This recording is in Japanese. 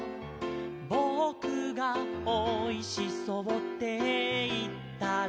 「ぼくがおいしそうっていったら」